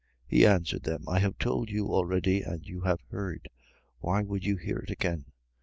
9:27. He answered them: I have told you already, and you have heard. Why would you hear it again?